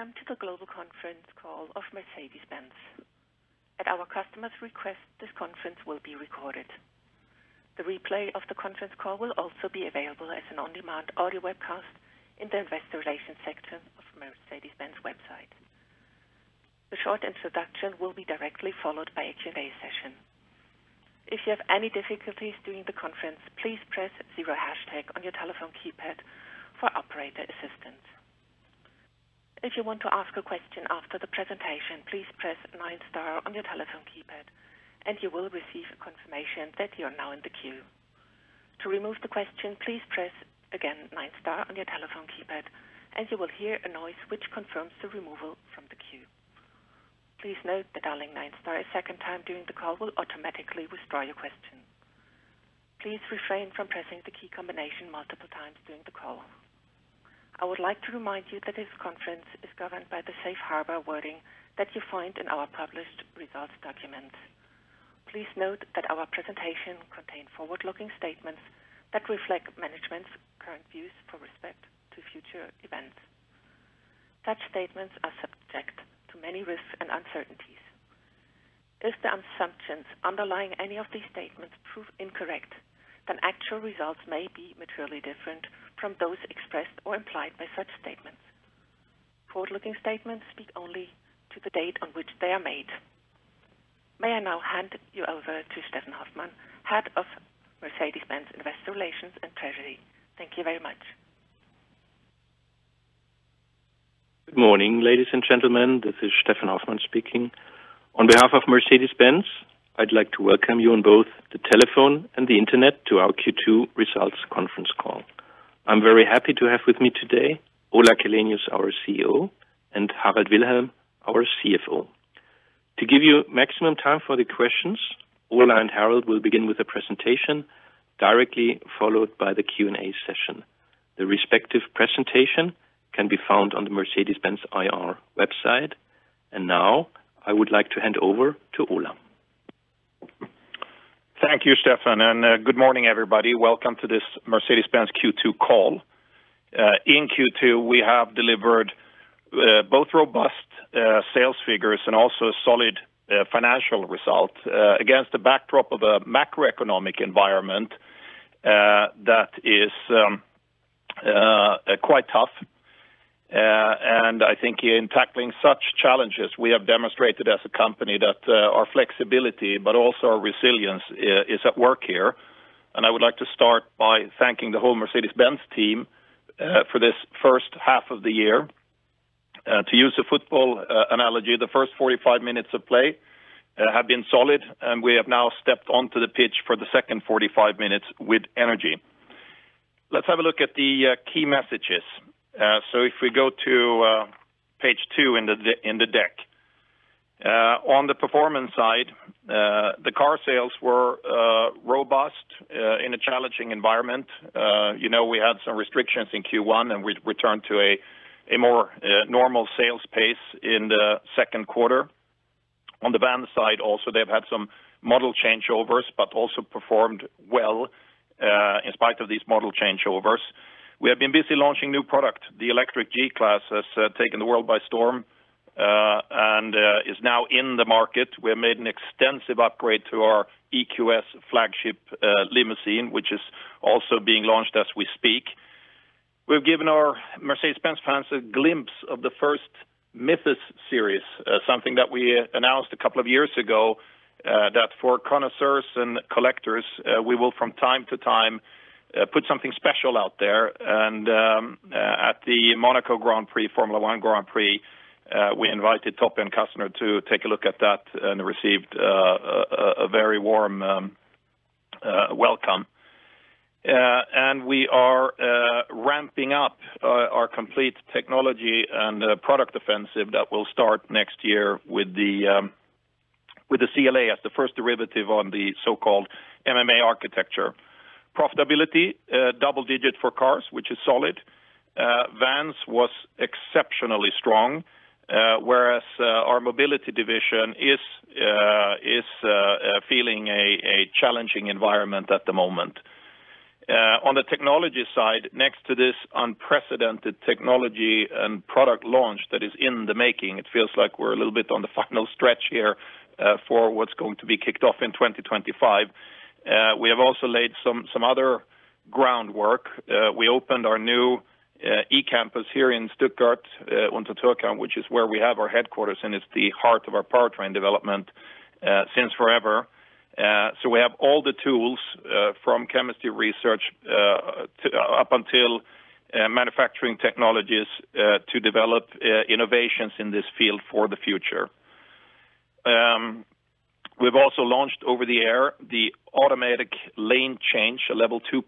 Welcome to the global conference call of Mercedes-Benz. At our customer's request, this conference will be recorded. The replay of the conference call will also be available as an on-demand audio webcast in the investor relations section of Mercedes-Benz website. The short introduction will be directly followed by a Q and A session. If you have any difficulties during the conference, please press zero hashtag on your telephone keypad for operator assistance. If you want to ask a question after the presentation, please press nine star on your telephone keypad, and you will receive a confirmation that you are now in the queue. To remove the question, please press again, nine star on your telephone keypad, and you will hear a noise which confirms the removal from the queue. Please note that dialing nine star a second time during the call will automatically restore your question. Please refrain from pressing the key combination multiple times during the call. I would like to remind you that this conference is governed by the safe harbor wording that you find in our published results document. Please note that our presentation contains forward-looking statements that reflect management's current views with respect to future events. Such statements are subject to many risks and uncertainties. If the assumptions underlying any of these statements prove incorrect, then actual results may be materially different from those expressed or implied by such statements. Forward-looking statements speak only to the date on which they are made. May I now hand you over to Steffen Hoffmann, Head of Mercedes-Benz Investor Relations and Treasury. Thank you very much. Good morning, ladies and gentlemen, this is Steffen Hoffmann speaking. On behalf of Mercedes-Benz, I'd like to welcome you on both the telephone and the Internet to our Q2 results conference call. I'm very happy to have with me today, Ola Källenius, our CEO, and Harald Wilhelm, our CFO. To give you maximum time for the questions, Ola and Harald will begin with a presentation directly followed by the Q and A session. The respective presentation can be found on the Mercedes-Benz IR website, and now I would like to hand over to Ola. Thank you, Steffen, and good morning, everybody. Welcome to this Mercedes-Benz Q2 call. In Q2, we have delivered both robust sales figures and also solid financial results against the backdrop of a macroeconomic environment that is quite tough. I think in tackling such challenges, we have demonstrated as a company that our flexibility, but also our resilience, is at work here. I would like to start by thanking the whole Mercedes-Benz team for this first half of the year. To use a football analogy, the first 45 minutes of play have been solid, and we have now stepped onto the pitch for the second 45 minutes with energy. Let's have a look at the key messages. So if we go to page two in the deck. On the performance side, the car sales were robust in a challenging environment. You know, we had some restrictions in Q1, and we returned to a more normal sales pace in the second quarter. On the van side, also, they've had some model changeovers, but also performed well in spite of these model changeovers. We have been busy launching new product. The electric G-Class has taken the world by storm and is now in the market. We have made an extensive upgrade to our EQS flagship limousine, which is also being launched as we speak. We've given our Mercedes-Benz fans a glimpse of the first Mythos series, something that we announced a couple of years ago, that for connoisseurs and collectors, we will from time to time put something special out there. At the Monaco Grand Prix, Formula One Grand Prix, we invited top-end customer to take a look at that and received a very warm welcome. We are ramping up our complete technology and product offensive that will start next year with the CLA as the first derivative on the so-called MMA Architecture. Profitability double-digit for cars, which is solid. Vans was exceptionally strong, whereas our mobility division is feeling a challenging environment at the moment. On the technology side, next to this unprecedented technology and product launch that is in the making, it feels like we're a little bit on the final stretch here for what's going to be kicked off in 2025. We have also laid some other groundwork. We opened our new eCampus here in Stuttgart-Untertürkheim, which is where we have our headquarters, and it's the heart of our powertrain development since forever. So we have all the tools from chemistry research to up until manufacturing technologies to develop innovations in this field for the future. We've also launched over-the-air the Automatic Lane Change, a Level 2+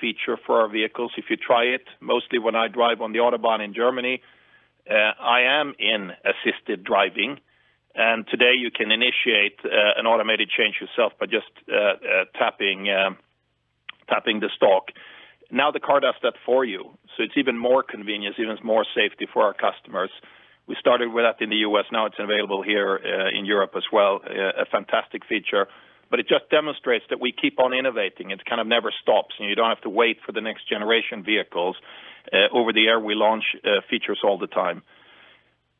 feature for our vehicles. If you try it, mostly when I drive on the Autobahn in Germany, I am in assisted driving, and today you can initiate an automated change yourself by just tapping the stalk. Now, the car does that for you, so it's even more convenient, even it's more safety for our customers. We started with that in the U.S., now it's available here, in Europe as well, a fantastic feature, but it just demonstrates that we keep on innovating. It kind of never stops, and you don't have to wait for the next generation vehicles. Over the air, we launch features all the time.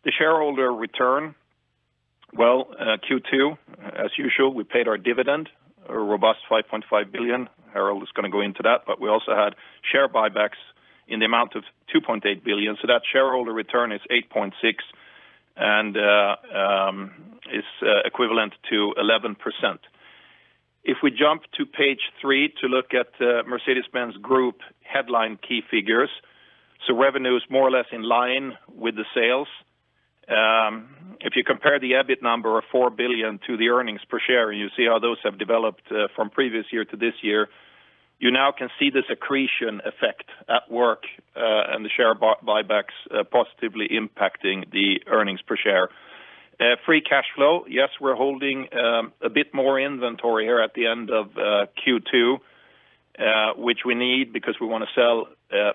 The shareholder return. Well, Q2, as usual, we paid our dividend, a robust 5.5 billion. Harald is going to go into that, but we also had share buybacks in the amount of 2.8 billion. So that shareholder return is 8.6 billion and is equivalent to 11%. If we jump to page 3 to look at Mercedes-Benz Group headline key figures, so revenue is more or less in line with the sales. If you compare the EBIT number of 4 billion to the earnings per share, you see how those have developed from previous year to this year. You now can see this accretion effect at work, and the share buybacks positively impacting the earnings per share. Free cash flow, yes, we're holding a bit more inventory here at the end of Q2, which we need because we want to sell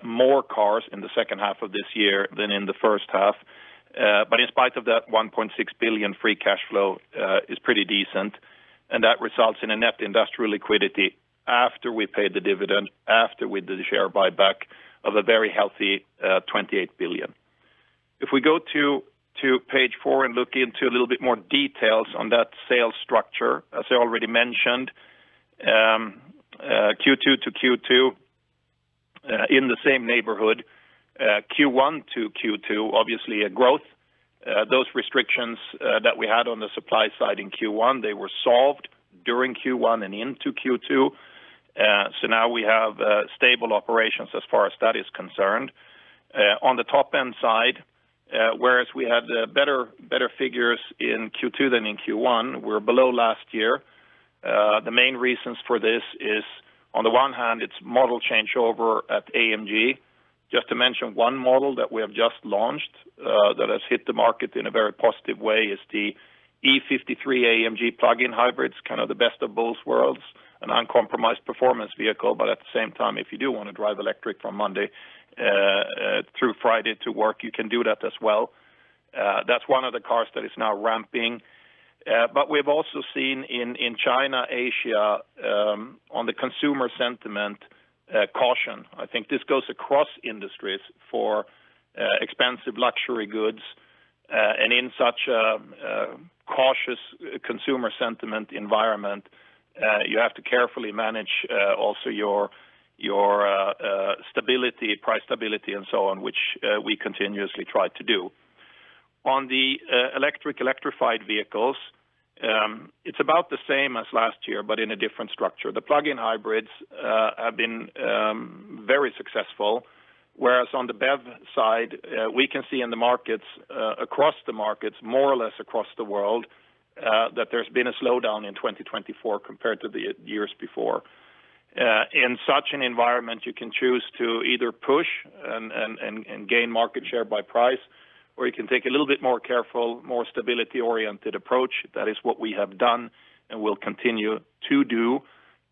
more cars in the second half of this year than in the first half. But in spite of that 1.6 billion free cash flow is pretty decent, and that results in a net industrial liquidity after we paid the dividend, after we did the share buyback of a very healthy 28 billion. If we go to page four and look into a little bit more details on that sales structure, as I already mentioned, Q2 to Q2 in the same neighborhood, Q1 to Q2, obviously a growth. Those restrictions that we had on the supply side in Q1, they were solved during Q1 and into Q2. So now we have stable operations as far as that is concerned. On the Top-end side, whereas we had better figures in Q2 than in Q1, we're below last year. The main reasons for this is, on the one hand, it's model changeover at AMG. Just to mention, one model that we have just launched that has hit the market in a very positive way is the E53 AMG plug-in hybrid. It's kind of the best of both worlds, an uncompromised performance vehicle, but at the same time, if you do want to drive electric from Monday through Friday to work, you can do that as well. That's one of the cars that is now ramping. But we've also seen in China, Asia, on the consumer sentiment, caution. I think this goes across industries for expensive luxury goods, and in such a cautious consumer sentiment environment, you have to carefully manage also your stability, price stability, and so on, which we continuously try to do. On the electric electrified vehicles, it's about the same as last year, but in a different structure. The plug-in hybrids have been very successful, whereas on the BEV side, we can see in the markets across the markets, more or less across the world, that there's been a slowdown in 2024 compared to the years before. In such an environment, you can choose to either push and gain market share by price, or you can take a little bit more careful, more stability-oriented approach. That is what we have done and will continue to do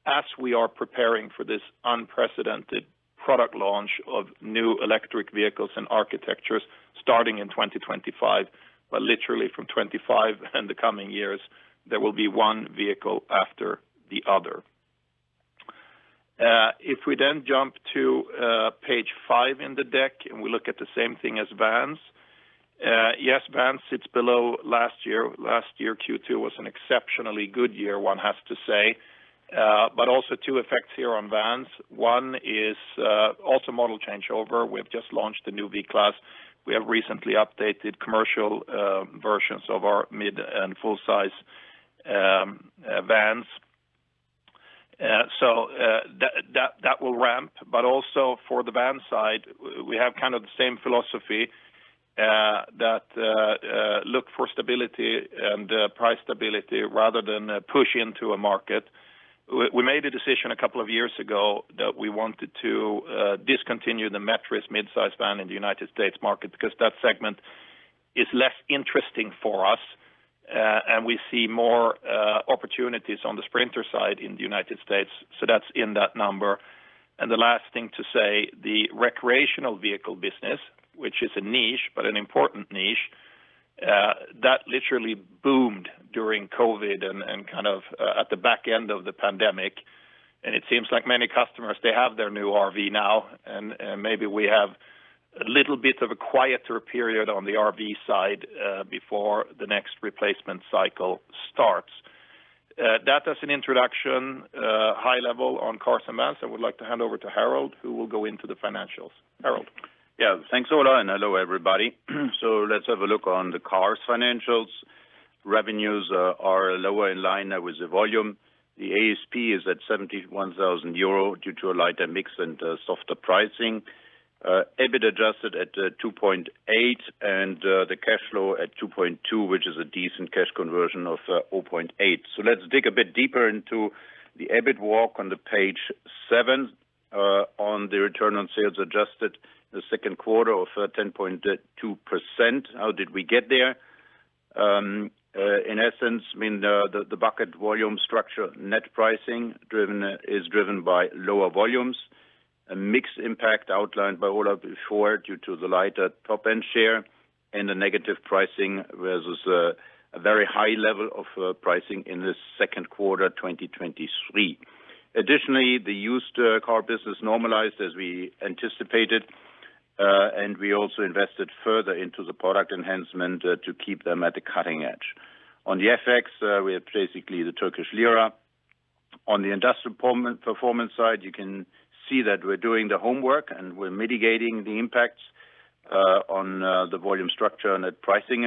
as we are preparing for this unprecedented product launch of new electric vehicles and architectures starting in 2025, but literally from 25 and the coming years, there will be one vehicle after the other. If we then jump to page five in the deck, and we look at the same thing as vans. Yes, vans sits below last year. Last year, Q2 was an exceptionally good year, one has to say, but also two effects here on vans. One is also model changeover. We've just launched the new V-Class. We have recently updated commercial versions of our mid and full-size vans. So that will ramp, but also for the van side, we have kind of the same philosophy that look for stability and price stability rather than push into a market. We made a decision a couple of years ago that we wanted to discontinue the Metris mid-size van in the United States market, because that segment is less interesting for us, and we see more opportunities on the Sprinter side in the United States, so that's in that number. And the last thing to say, the recreational vehicle business, which is a niche, but an important niche, that literally boomed during COVID and kind of at the back end of the pandemic, and it seems like many customers, they have their new RV now, and maybe we have a little bit of a quieter period on the RV side, before the next replacement cycle starts. That, as an introduction, high level on cars and vans, I would like to hand over to Harald, who will go into the financials. Harold? Yeah, thanks, Ola, and hello, everybody. So let's have a look on the cars financials. Revenues are lower in line with the volume. The ASP is at 71,000 euro due to a lighter mix and softer pricing. EBIT adjusted at 2.8, and the cash flow at 2.2, which is a decent cash conversion of 0.8. So let's dig a bit deeper into the EBIT walk on page seven, on the return on sales adjusted the second quarter of 10.2%. How did we get there? In essence, I mean, the bucket volume structure, net pricing driven, is driven by lower volumes, a mixed impact outlined by Ola before, due to the lighter top-end share and a negative pricing versus a very high level of pricing in the second quarter 2023. Additionally, the used car business normalized as we anticipated, and we also invested further into the product enhancement to keep them at the cutting edge. On the FX, we are basically the Turkish Lira. On the industrial performance side, you can see that we're doing the homework, and we're mitigating the impacts on the volume structure and net pricing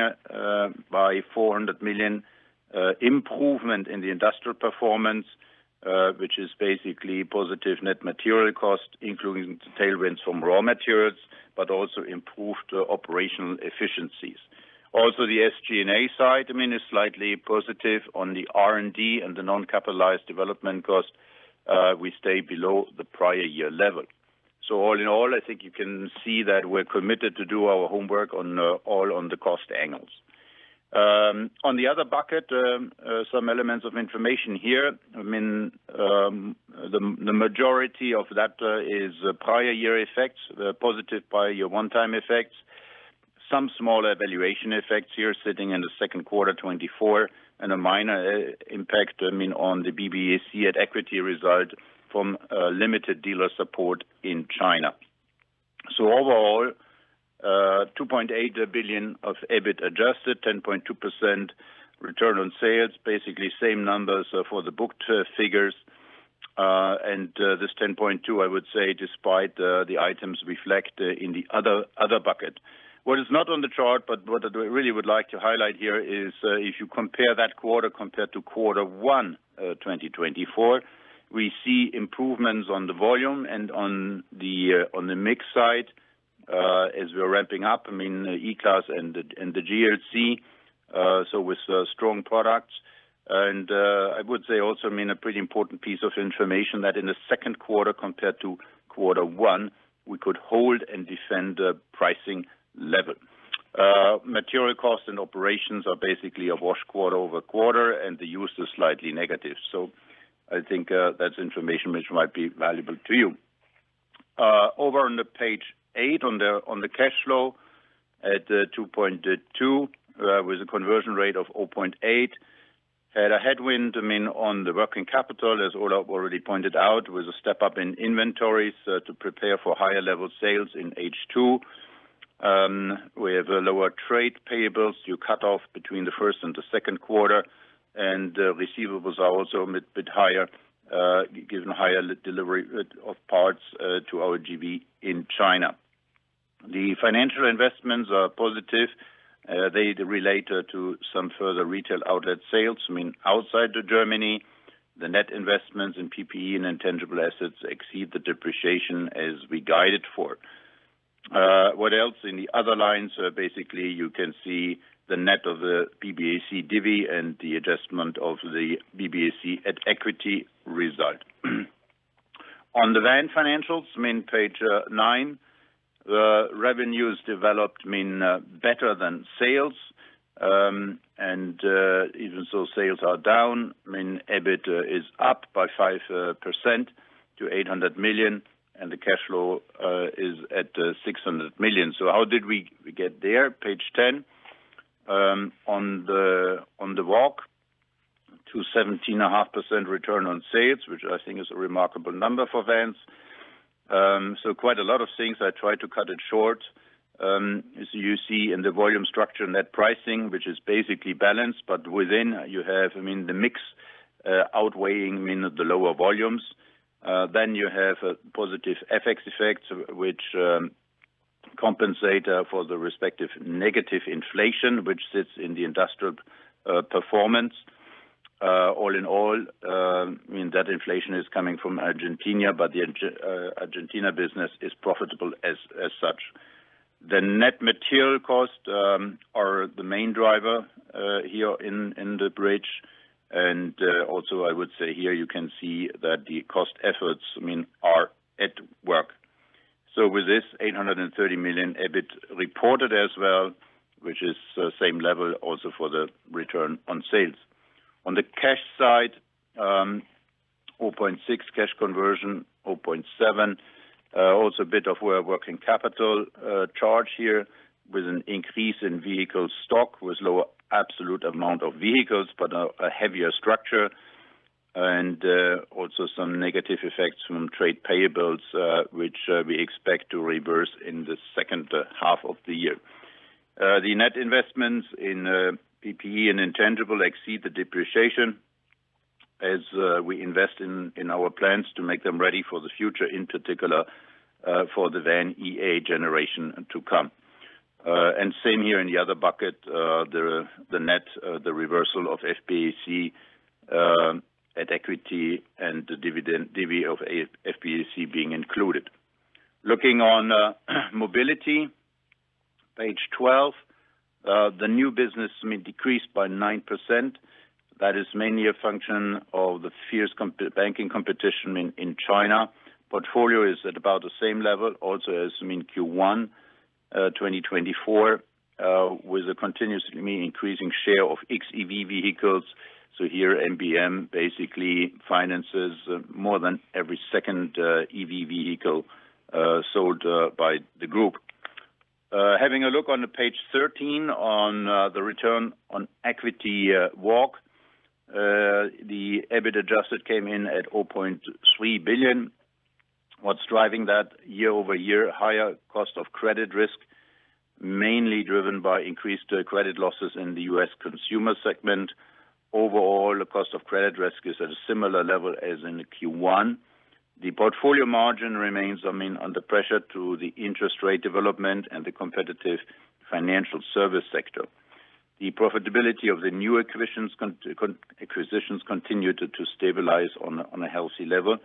by 400 million improvement in the industrial performance, which is basically positive net material cost, including tailwinds from raw materials, but also improved operational efficiencies. Also, the SG&A side, I mean, is slightly positive on the R&D and the non-capitalized development cost, we stay below the prior year level. So all in all, I think you can see that we're committed to do our homework on, all on the cost angles. On the other bucket, some elements of information here. I mean, the majority of that is prior year effects, the positive prior year one-time effects. Some smaller valuation effects here, sitting in the second quarter 2024, and a minor impact, I mean, on the BBAC at equity result from limited dealer support in China. So overall, 2.8 billion of EBIT adjusted, 10.2% return on sales, basically same numbers for the booked figures. And this 10.2, I would say, despite the items reflect in the other bucket. What is not on the chart, but what I really would like to highlight here is if you compare that quarter compared to quarter one 2024, we see improvements on the volume and on the mix side as we are ramping up. I mean, E-Class and the GLC so with strong products. And I would say also, I mean, a pretty important piece of information that in the second quarter, compared to quarter one, we could hold and defend the pricing level. Material costs and operations are basically a wash quarter over quarter, and the FX is slightly negative. So I think that's information which might be valuable to you. Over on page eight, on the cash flow at 2.2 with a conversion rate of 0.8. Had a headwind, I mean, on the working capital, as Ola already pointed out, with a step up in inventories to prepare for higher level sales in H2. We have lower trade payables, the cut-off between the first and the second quarter, and receivables are also a bit higher given higher delivery of parts to our JV in China. The financial investments are positive. They relate to some further retail outlet sales, I mean, outside of Germany. The net investments in PPE and intangible assets exceed the depreciation as we guided for. What else? In the other lines, basically, you can see the net of the BBAC dividend and the adjustment of the BBAC at equity result. On the van financials, I mean, page nine, the revenues developed, I mean, better than sales. And even so sales are down, I mean, EBIT is up by 5% to 800 million, and the cash flow is at 600 million. So how did we get there? Page ten. On the walk to 17.5% return on sales, which I think is a remarkable number for vans. So quite a lot of things. I tried to cut it short. As you see in the volume structure, net pricing, which is basically balanced, but within you have, I mean, the mix outweighing, I mean, the lower volumes. Then you have a positive FX effect, which compensate for the respective negative inflation, which sits in the industrial performance. All in all, I mean, that inflation is coming from Argentina, but the Argentina business is profitable as such. The net material cost are the main driver here in the bridge. And also, I would say here, you can see that the cost efforts, I mean, are at work. So with this, 830 million EBIT reported as well, which is the same level also for the return on sales. On the cash side, 0.6 cash conversion, 0.7, also a bit of working capital charge here with an increase in vehicle stock, with lower absolute amount of vehicles, but a heavier structure, and also some negative effects from trade payables, which we expect to reverse in the second half of the year. The net investments in PPE and intangibles exceed the depreciation as we invest in our plants to make them ready for the future, in particular, for the VAN.EA generation to come. And same here in the other bucket, the net, the reversal of FBAC at equity and the dividend of FBAC being included. Looking on mobility, page 12, the new business may decrease by 9%. That is mainly a function of the fierce banking competition in China. Portfolio is at about the same level, also as I mean Q1 2024 with a continuously, I mean, increasing share of xEV vehicles. So here, MBM basically finances more than every second EV vehicle sold by the group. Having a look on the page 13, on the return on equity walk, the EBIT adjusted came in at 0.3 billion. What's driving that? Year over year, higher cost of credit risk, mainly driven by increased credit losses in the U.S. consumer segment. Overall, the cost of credit risk is at a similar level as in Q1. The portfolio margin remains, I mean, under pressure through the interest rate development and the competitive financial service sector. The profitability of the new acquisitions continued to stabilize on a healthy level.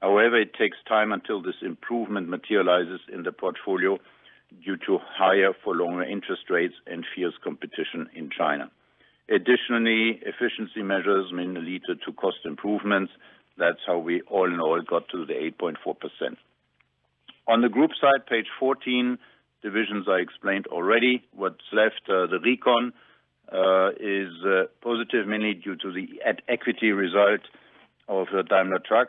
However, it takes time until this improvement materializes in the portfolio due to higher for longer interest rates and fierce competition in China. Additionally, efficiency measures mainly lead to cost improvements. That's how we all in all got to the 8.4%. On the group side, page 14, divisions I explained already. What's left, the reconciliation is positive, mainly due to the at equity result of the Daimler Truck.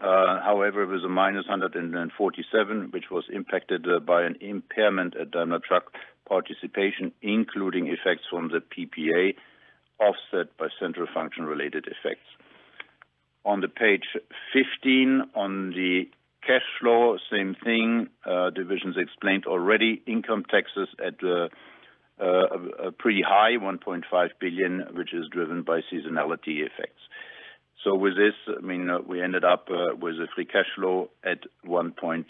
However, it was a -147, which was impacted by an impairment at Daimler Truck participation, including effects from the PPA, offset by central function related effects. On page 15, on the cash flow, same thing, divisions explained already. Income taxes at a pretty high 1.5 billion, which is driven by seasonality effects. So with this, I mean, we ended up with a free cash flow at 1.6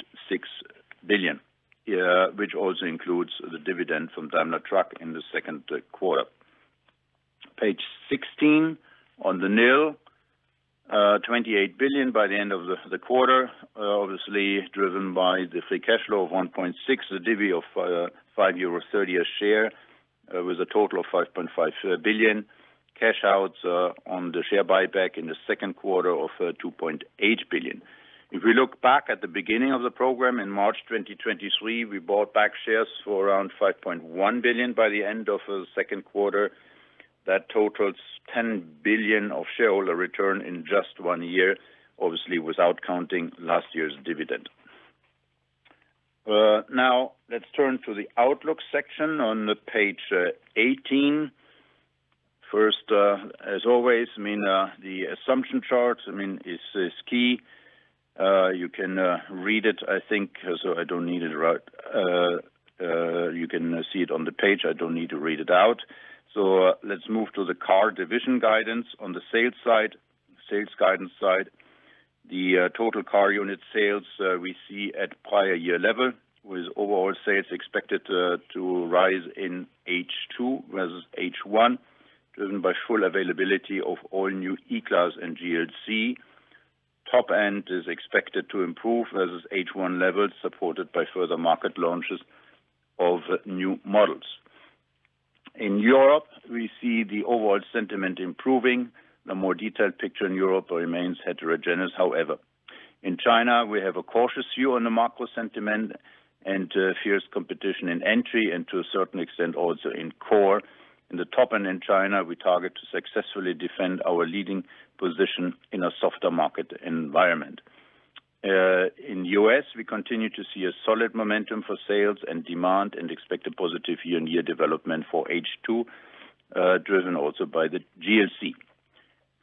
billion, which also includes the dividend from Daimler Truck in the second quarter. Page 16, on the NIL, 28 billion by the end of the quarter, obviously driven by the free cash flow of 1.6, the divvy of 5.30 euro a share, with a total of 5.5 billion. Cash outs on the share buyback in the second quarter of 2.8 billion. If we look back at the beginning of the program in March 2023, we bought back shares for around 5.1 billion. By the end of the second quarter, that totals 10 billion of shareholder return in just one year, obviously without counting last year's dividend. Now, let's turn to the outlook section on the page 18. First, as always, I mean, the assumption charts, I mean, is key. You can read it, I think, so I don't need it right. You can see it on the page. I don't need to read it out. So let's move to the car division guidance. On the sales side, sales guidance side, the total car unit sales, we see at prior year level, with overall sales expected to rise in H2 versus H1, driven by full availability of all new E-Class and GLC. Top end is expected to improve versus H1 levels, supported by further market launches of new models. In Europe, we see the overall sentiment improving. The more detailed picture in Europe remains heterogeneous however. In China, we have a cautious view on the macro sentiment and, fierce competition in Entry and to a certain extent, also in Core. In the Top-end in China, we target to successfully defend our leading position in a softer market environment. In U.S., we continue to see a solid momentum for sales and demand and expect a positive year-on-year development for H2, driven also by the GLC.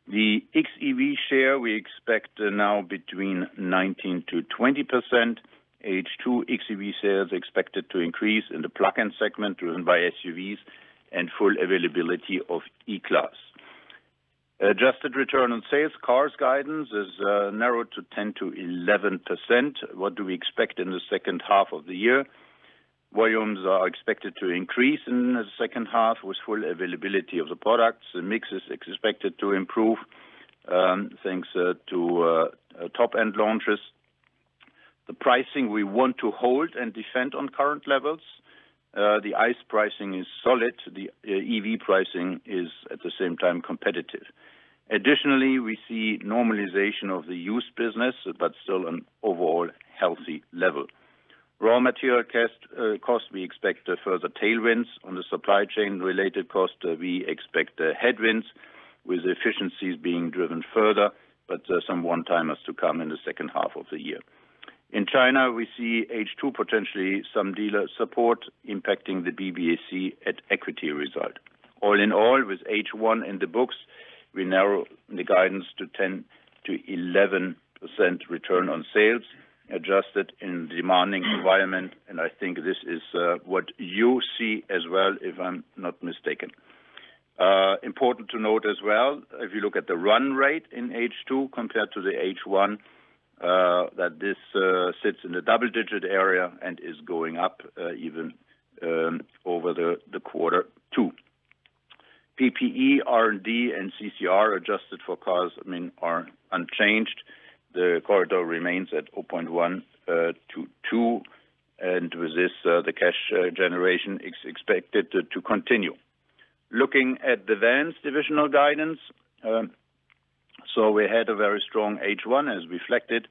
The xEV share, we expect now between 19%-20%. H2 xEV sales expected to increase in the plug-in segment, driven by SUVs and full availability of E-Class. Adjusted return on sales, cars guidance is, narrowed to 10%-11%. What do we expect in the second half of the year? Volumes are expected to increase in the second half with full availability of the products. The mix is expected to improve, thanks to top-end launches. The pricing we want to hold and defend on current levels. The ICE pricing is solid. The EV pricing is, at the same time, competitive. Additionally, we see normalization of the used business, but still an overall healthy level. Raw material cost, we expect further tailwinds. On the supply chain related cost, we expect headwinds, with efficiencies being driven further, but some one-timers to come in the second half of the year. In China, we see H2, potentially some dealer support impacting the BBAC at equity result. All in all, with H1 in the books, we narrow the guidance to 10%-11% return on sales, adjusted in demanding environment, and I think this is what you see as well, if I'm not mistaken. Important to note as well, if you look at the run rate in H2 compared to the H1, that this sits in the double-digit area and is going up, even over the quarter two. PPE, R&D, and CCR, adjusted for costs, I mean, are unchanged. The corridor remains at 0.1-2, and with this, the cash generation is expected to continue. Looking at the vans divisional guidance, so we had a very strong H1 as reflected.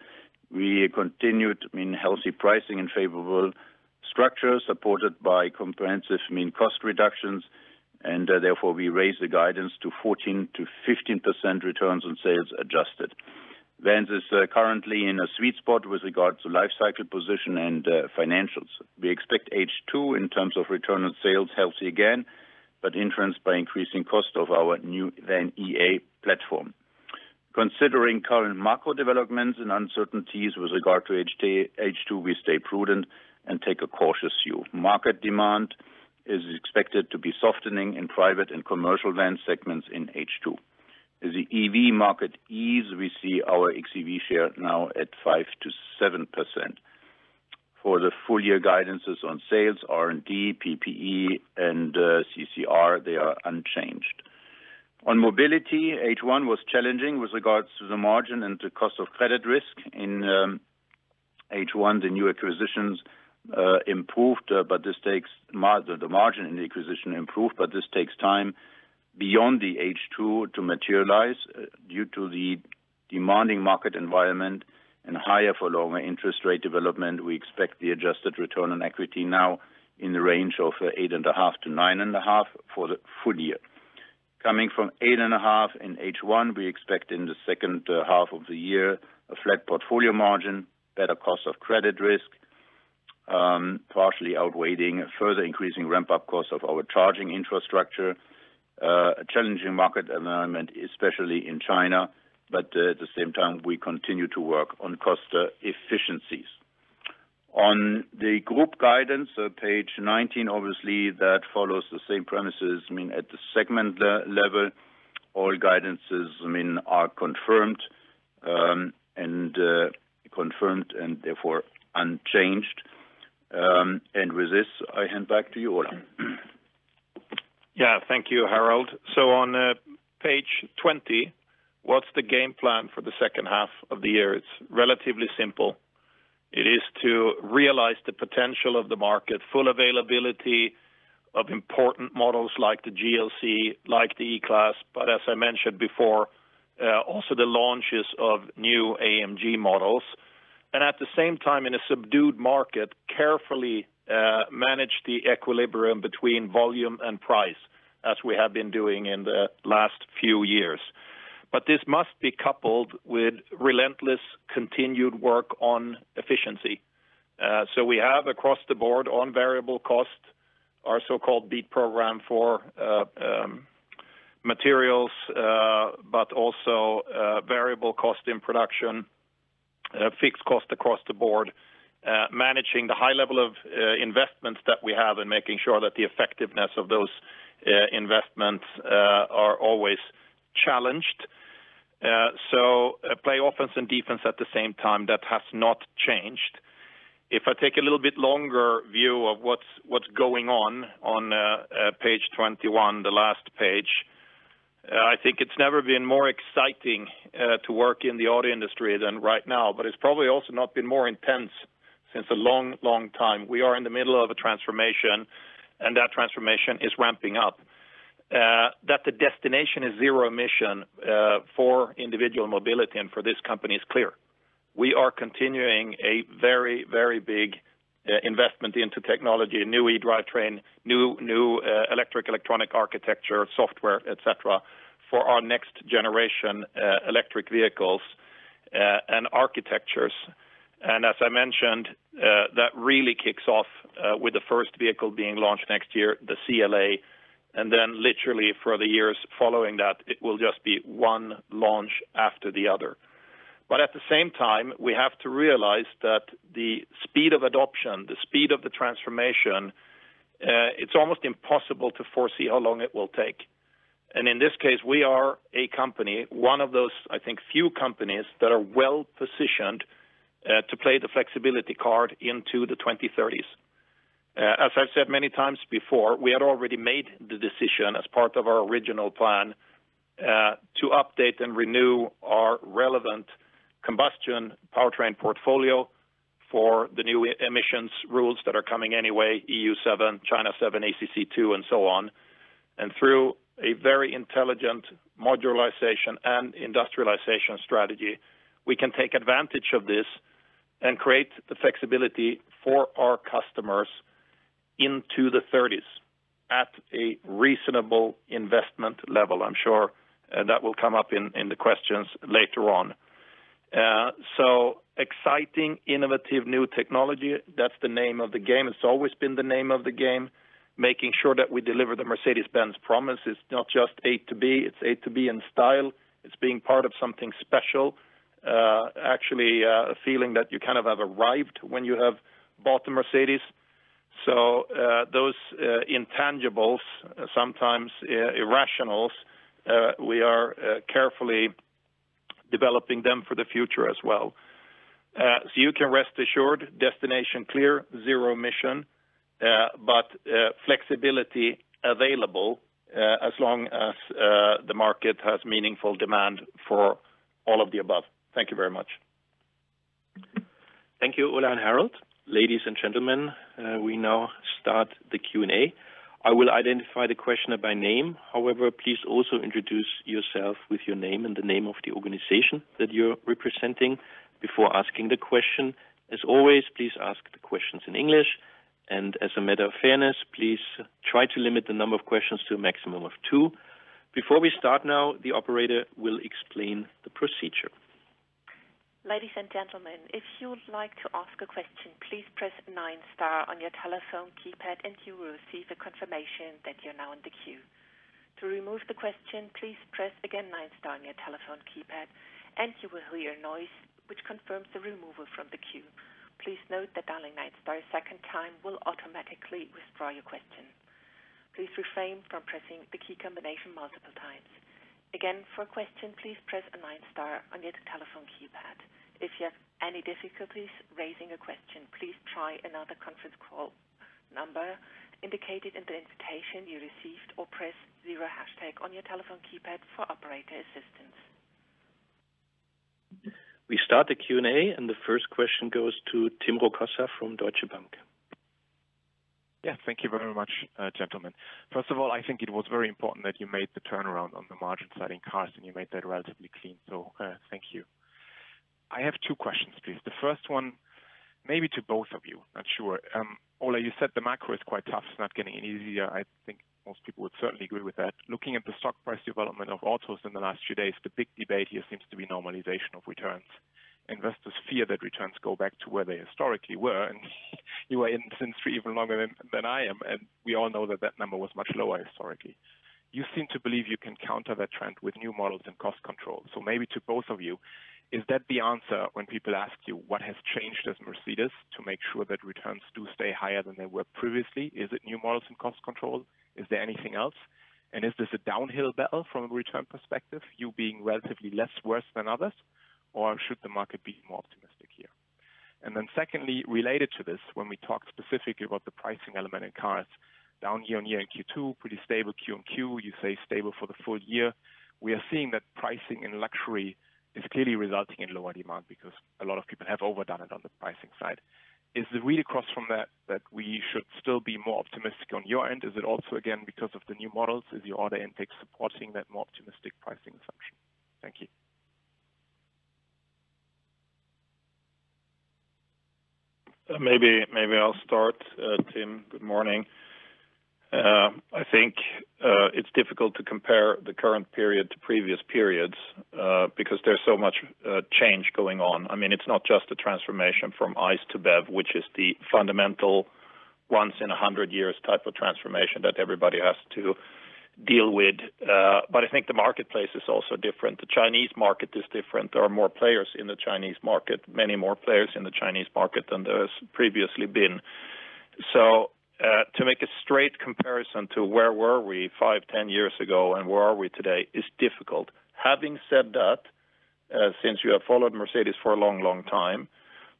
We continued, I mean, healthy pricing and favorable structure, supported by comprehensive mean cost reductions, and therefore, we raised the guidance to 14%-15% returns on sales adjusted. Vans is currently in a sweet spot with regards to life cycle position and financials. We expect H2 in terms of return on sales, healthy again, but influenced by increasing cost of our new VAN.EA platform. Considering current macro developments and uncertainties with regard to H2, we stay prudent and take a cautious view. Market demand is expected to be softening in private and commercial van segments in H2. As the EV market ease, we see our xEV share now at 5%-7%. For the full year guidances on sales, R&D, PPE and CCR, they are unchanged. On mobility, H1 was challenging with regards to the margin and the cost of credit risk. In H1, the new acquisitions improved, but the margin in the acquisitions improved, but this takes time beyond the H2 to materialize, due to the demanding market environment and higher for longer interest rate development, we expect the adjusted return on equity now in the range of 8.5-9.5 for the full year. Coming from 8.5 in H1, we expect in the second half of the year, a flat portfolio margin, better cost of credit risk, partially outweighing further increasing ramp-up costs of our charging infrastructure, a challenging market environment, especially in China, but at the same time, we continue to work on cost efficiencies. On the group guidance, page 19, obviously, that follows the same premises, I mean, at the segment level, all guidances, I mean, are confirmed, and confirmed and therefore unchanged. With this, I hand back to you, Ola. Yeah, thank you, Harald. So on page 20, what's the game plan for the second half of the year? It's relatively simple. It is to realize the potential of the market, full availability of important models like the GLC, like the E-Class, but as I mentioned before, also the launches of new AMG models. And at the same time, in a subdued market, carefully manage the equilibrium between volume and price, as we have been doing in the last few years. But this must be coupled with relentless continued work on efficiency. So we have across the board on variable cost, our so-called BEAT program for materials, but also variable cost in production, fixed cost across the board, managing the high level of investments that we have and making sure that the effectiveness of those investments are always challenged. So play offense and defense at the same time, that has not changed. If I take a little bit longer view of what's going on, on page 21, the last page, I think it's never been more exciting to work in the auto industry than right now, but it's probably also not been more intense since a long, long time. We are in the middle of a transformation, and that transformation is ramping up. That the destination is zero emission, for individual mobility and for this company is clear. We are continuing a very, very big investment into technology, a new eDrive train, new electric electronic architecture, software, et cetera, for our next generation, electric vehicles, and architectures. And as I mentioned, that really kicks off, with the first vehicle being launched next year, the CLA, and then literally for the years following that, it will just be one launch after the other. But at the same time, we have to realize that the speed of adoption, the speed of the transformation, it's almost impossible to foresee how long it will take. And in this case, we are a company, one of those, I think, few companies that are well-positioned, to play the flexibility card into the 2030s. As I've said many times before, we had already made the decision as part of our original plan to update and renew our relevant combustion powertrain portfolio for the new emissions rules that are coming anyway, EU7, China 7, ACC II, and so on. And through a very intelligent modularization and industrialization strategy, we can take advantage of this and create the flexibility for our customers into the 30s at a reasonable investment level. I'm sure that will come up in the questions later on. So exciting, innovative, new technology, that's the name of the game. It's always been the name of the game, making sure that we deliver the Mercedes-Benz promise. It's not just A to B, it's A to B in style. It's being part of something special, actually, a feeling that you kind of have arrived when you have bought a Mercedes. So, those intangibles, sometimes irrationals, we are carefully developing them for the future as well. So you can rest assured, destination clear, zero emission, but flexibility available, as long as the market has meaningful demand for all of the above. Thank you very much. Thank you, Ola and Harald. Ladies and gentlemen, we now start the Q and A. I will identify the questioner by name. However, please also introduce yourself with your name and the name of the organization that you're representing before asking the question. As always, please ask the questions in English. As a matter of fairness, please try to limit the number of questions to a maximum of two. Before we start now, the operator will explain the procedure. Ladies and gentlemen, if you would like to ask a question, please press nine star on your telephone keypad, and you will receive a confirmation that you're now in the queue. To remove the question, please press again nine star on your telephone keypad, and you will hear a noise which confirms the removal from the queue. Please note that dialing nine star a second time will automatically withdraw your question. Please refrain from pressing the key combination multiple times. Again, for a question, please press nine star on your telephone keypad. If you have any difficulties raising a question, please try another conference call number indicated in the invitation you received, or press zero hashtag on your telephone keypad for operator assistance. We start the Q and A, and the first question goes to Tim Rokossa from Deutsche Bank. Yeah, thank you very much, gentlemen. First of all, I think it was very important that you made the turnaround on the margin side in cars, and you made that relatively clean, so thank you. I have two questions, please. The first one, maybe to both of you, not sure. Ola, you said the macro is quite tough. It's not getting any easier. I think most people would certainly agree with that. Looking at the stock price development of autos in the last few days, the big debate here seems to be normalization of returns. Investors fear that returns go back to where they historically were, and you were in industry even longer than I am, and we all know that that number was much lower historically. You seem to believe you can counter that trend with new models and cost control. So maybe to both of you, is that the answer when people ask you, what has changed at Mercedes to make sure that returns do stay higher than they were previously? Is it new models and cost control? Is there anything else? And is this a downhill battle from a return perspective, you being relatively less worse than others, or should the market be more optimistic here? And then secondly, related to this, when we talked specifically about the pricing element in cars, down year-on-year in Q2, pretty stable Q-on-Q, you say stable for the full year. We are seeing that pricing in luxury is clearly resulting in lower demand because a lot of people have overdone it on the pricing side. Is the read across from that, that we should still be more optimistic on your end? Is it also, again, because of the new models, is the order intake supporting that more optimistic pricing assumption? Thank you. Maybe, maybe I'll start, Tim, good morning. I think it's difficult to compare the current period to previous periods because there's so much change going on. I mean, it's not just the transformation from ICE to BEV, which is the fundamental once in a 100 years type of transformation that everybody has to deal with, but I think the marketplace is also different. The Chinese market is different. There are more players in the Chinese market, many more players in the Chinese market than there has previously been. So, to make a straight comparison to where were we five, 10 years ago, and where are we today, is difficult. Having said that, since you have followed Mercedes for a long, long time,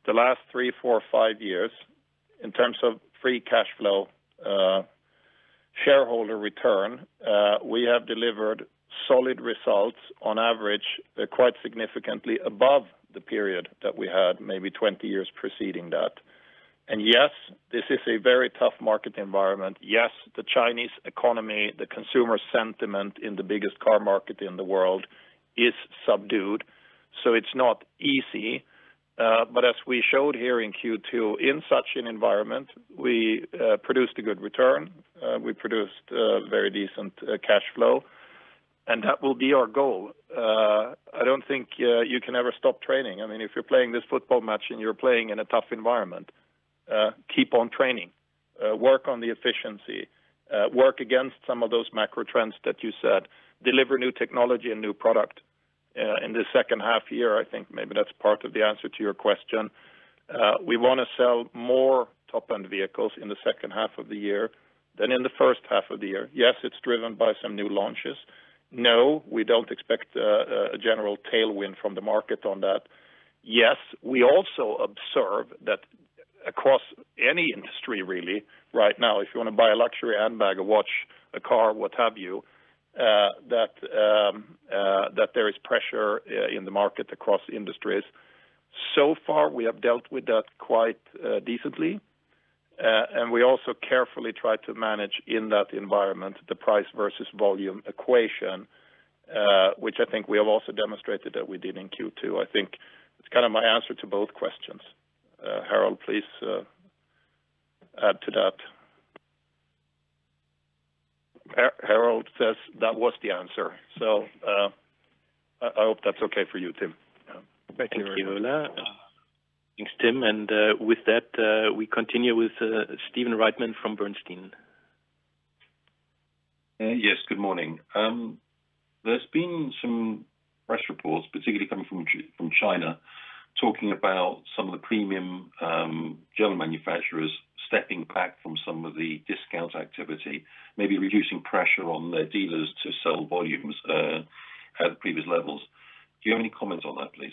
the last three, four, five years, in terms of free cash flow, shareholder return, we have delivered solid results on average, quite significantly above the period that we had, maybe 20 years preceding that. And yes, this is a very tough market environment. Yes, the Chinese economy, the consumer sentiment in the biggest car market in the world is subdued, so it's not easy. But as we showed here in Q2, in such an environment, we produced a good return, we produced very decent cash flow, and that will be our goal. I don't think you can ever stop training. I mean, if you're playing this football match and you're playing in a tough environment, keep on training, work on the efficiency, work against some of those macro trends that you said, deliver new technology and new product. In the second half year, I think maybe that's part of the answer to your question. We want to sell more top-end vehicles in the second half of the year than in the first half of the year. Yes, it's driven by some new launches. No, we don't expect a general tailwind from the market on that. Yes, we also observe that across any industry, really, right now, if you want to buy a luxury handbag, a watch, a car, what have you, that there is pressure in the market across industries. So far, we have dealt with that quite decently, and we also carefully try to manage in that environment the price versus volume equation, which I think we have also demonstrated that we did in Q2. I think it's kind of my answer to both questions. Harald, please, add to that. Harald says that was the answer. So, I hope that's okay for you, Tim. Thank you very much. Thanks, Tim. With that, we continue with Stephen Reitman from Bernstein. Yes, good morning. There's been some press reports, particularly coming from China, talking about some of the premium German manufacturers stepping back from some of the discount activity, maybe reducing pressure on their dealers to sell volumes at previous levels. Do you have any comments on that, please?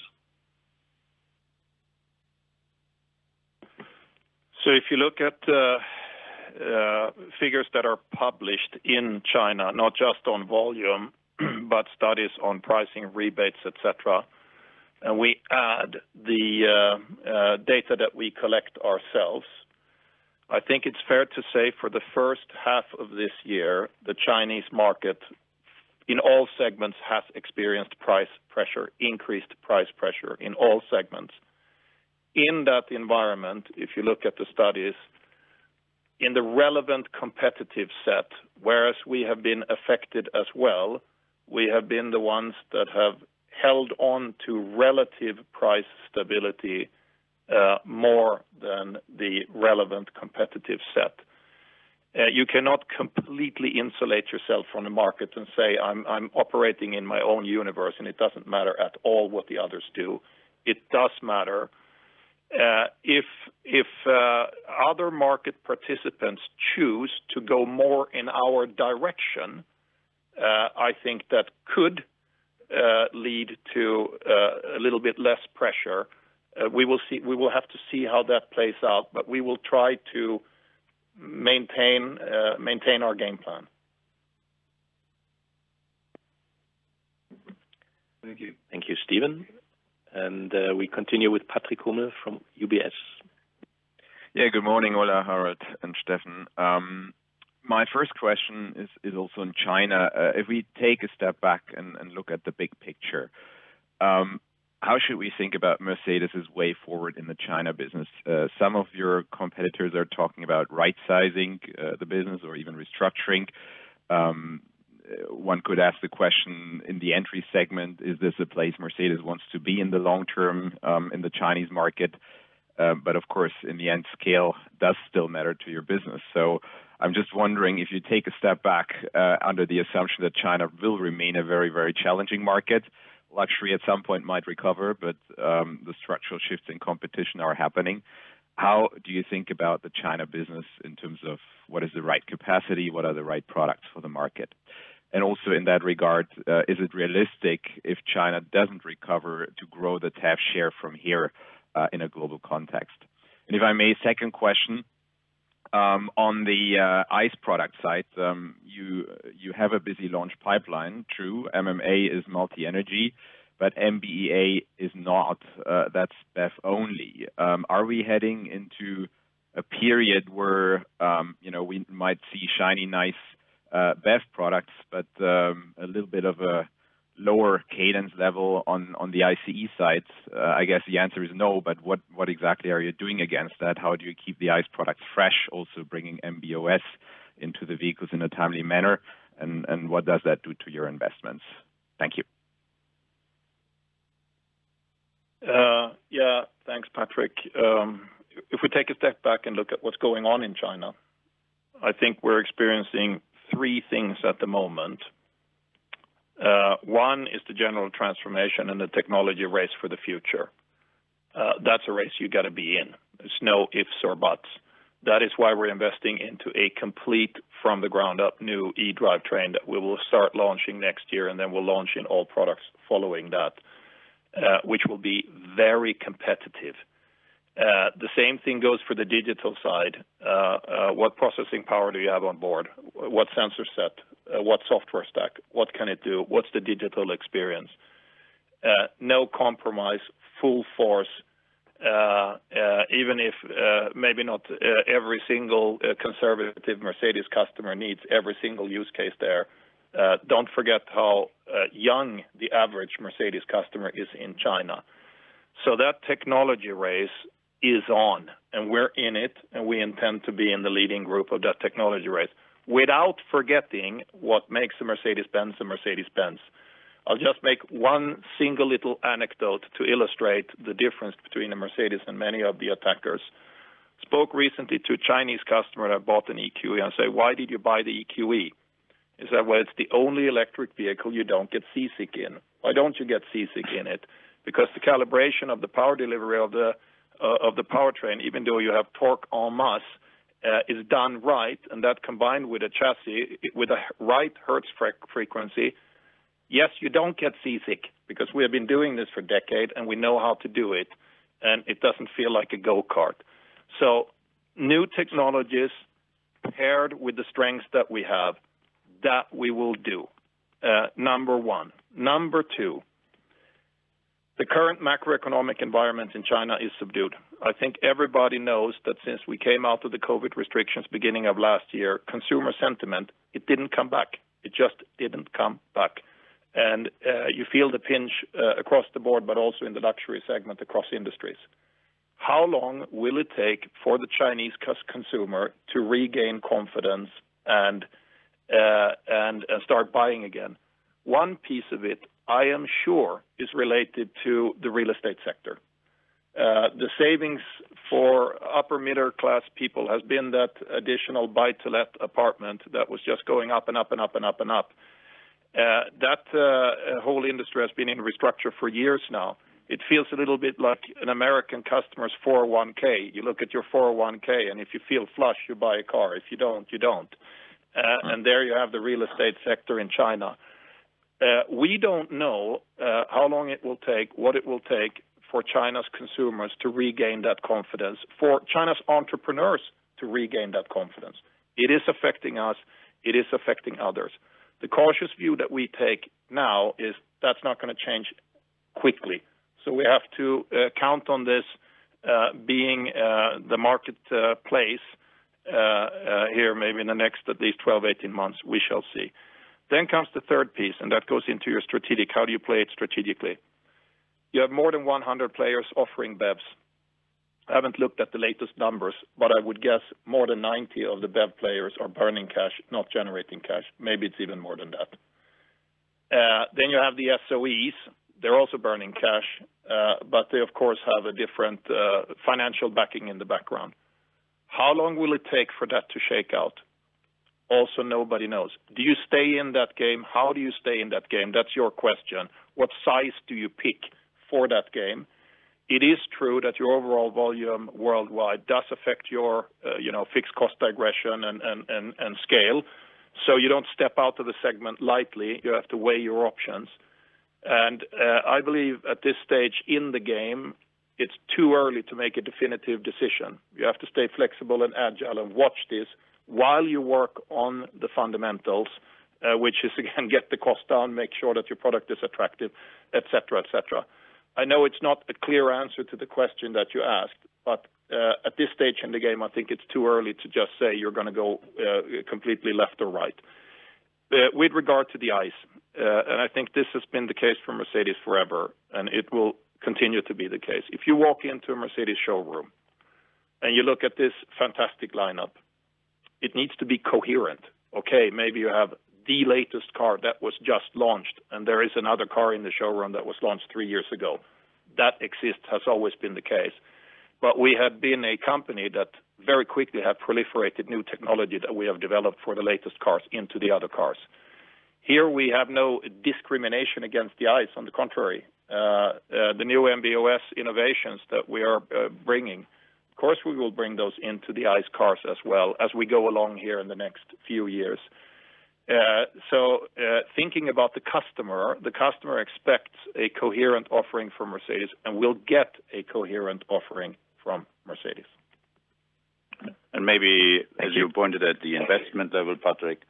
So if you look at the figures that are published in China, not just on volume, but studies on pricing, rebates, et cetera, and we add the data that we collect ourselves, I think it's fair to say for the first half of this year, the Chinese market in all segments has experienced price pressure, increased price pressure in all segments. In that environment, if you look at the studies, in the relevant competitive set, whereas we have been affected as well, we have been the ones that have held on to relative price stability, more than the relevant competitive set. You cannot completely insulate yourself from the market and say, I'm operating in my own universe, and it doesn't matter at all what the others do. It does matter. If other market participants choose to go more in our direction, I think that could lead to a little bit less pressure. We will see. We will have to see how that plays out, but we will try to maintain our game plan. Thank you. Thank you, Stephen. We continue with Patrick Hummel from UBS. Yeah, good morning, Ola, Harald, and Steffen. My first question is also in China. If we take a step back and look at the big picture, how should we think about Mercedes's way forward in the China business? Some of your competitors are talking about right-sizing the business or even restructuring. One could ask the question, in the entry segment, is this a place Mercedes wants to be in the long term in the Chinese market? But of course, in the end, scale does still matter to your business. So I'm just wondering, if you take a step back, under the assumption that China will remain a very, very challenging market, luxury at some point might recover, but the structural shifts in competition are happening, how do you think about the China business in terms of what is the right capacity, what are the right products for the market? And also in that regard, is it realistic if China doesn't recover to grow the xEV share from here, in a global context? And if I may, second question, on the ICE product side, you have a busy launch pipeline. True, MMA is multi-energy, but MB.EA is not, that's BEV only. Are we heading into a period where, you know, we might see shiny, nice, BEV products, but, a little bit of a lower cadence level on, on the ICE sides? I guess the answer is no, but what, what exactly are you doing against that? How do you keep the ICE product fresh, also bringing MB.OS into the vehicles in a timely manner? And, and what does that do to your investments? Thank you. Yeah. Thanks, Patrick. If we take a step back and look at what's going on in China, I think we're experiencing three things at the moment. One is the general transformation and the technology race for the future. That's a race you've got to be in. There's no ifs or buts. That is why we're investing into a complete, from the ground up, new eDrive train that we will start launching next year, and then we'll launch in all products following that, which will be very competitive. The same thing goes for the digital side. What processing power do you have on board? What sensor set? What software stack? What can it do? What's the digital experience? No compromise, full force, even if maybe not every single conservative Mercedes customer needs every single use case there. Don't forget how young the average Mercedes customer is in China. So that technology race is on, and we're in it, and we intend to be in the leading group of that technology race, without forgetting what makes a Mercedes-Benz a Mercedes-Benz. I'll just make one single little anecdote to illustrate the difference between a Mercedes and many of the attackers. Spoke recently to a Chinese customer that bought an EQE, and I say: "Why did you buy the EQE?" He said, "Well, it's the only electric vehicle you don't get seasick in." "Why don't you get seasick in it?" "Because the calibration of the power delivery of the, of the powertrain, even though you have torque en masse, is done right, and that combined with the chassis, with a right hertz frequency, yes, you don't get seasick, because we have been doing this for decade, and we know how to do it, and it doesn't feel like a go-kart." So new technologies paired with the strengths that we have, that we will do, number one. Number two, the current macroeconomic environment in China is subdued. I think everybody knows that since we came out of the COVID restrictions, beginning of last year, consumer sentiment, it didn't come back. It just didn't come back. And you feel the pinch across the board, but also in the luxury segment, across industries. How long will it take for the Chinese consumer to regain confidence and start buying again? One piece of it, I am sure, is related to the real estate sector. The savings for upper-middle-class people has been that additional buy-to-let apartment that was just going up and up and up and up and up. That whole industry has been in restructure for years now. It feels a little bit like an American customer's 401(k). You look at your 401(k), and if you feel flush, you buy a car. If you don't, you don't. There you have the real estate sector in China. We don't know how long it will take, what it will take for China's consumers to regain that confidence, for China's entrepreneurs to regain that confidence. It is affecting us. It is affecting others. The cautious view that we take now is that's not going to change quickly. So we have to count on this being the marketplace here, maybe in the next at least 12-18 months, we shall see. Then comes the third piece, and that goes into your strategic. How do you play it strategically? You have more than 100 players offering BEVs. I haven't looked at the latest numbers, but I would guess more than 90 of the BEV players are burning cash, not generating cash. Maybe it's even more than that. Then you have the SOEs, they're also burning cash, but they, of course, have a different financial backing in the background. How long will it take for that to shake out? Also, nobody knows. Do you stay in that game? How do you stay in that game? That's your question. What size do you pick for that game? It is true that your overall volume worldwide does affect your, you know, fixed cost aggression and scale, so you don't step out of the segment lightly. You have to weigh your options. I believe at this stage in the game, it's too early to make a definitive decision. You have to stay flexible and agile and watch this, while you work on the fundamentals, which is, again, get the cost down, make sure that your product is attractive, et cetera, et cetera. I know it's not a clear answer to the question that you asked, but, at this stage in the game, I think it's too early to just say you're gonna go, completely left or right. With regard to the ICE, and I think this has been the case for Mercedes forever, and it will continue to be the case. If you walk into a Mercedes showroom, and you look at this fantastic lineup, it needs to be coherent. Okay, maybe you have the latest car that was just launched, and there is another car in the showroom that was launched three years ago. That exists, has always been the case. We have been a company that very quickly have proliferated new technology that we have developed for the latest cars into the other cars. Here we have no discrimination against the ICE, on the contrary, the new MB.OS innovations that we are bringing, of course, we will bring those into the ICE cars as well as we go along here in the next few years. Thinking about the customer, the customer expects a coherent offering from Mercedes, and will get a coherent offering from Mercedes. And maybe, as you pointed at the investment level, Patrick,